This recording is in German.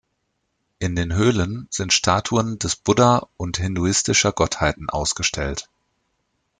In den Höhlen sind Statuen des Buddha und hinduistischer Gottheiten ausgestellt.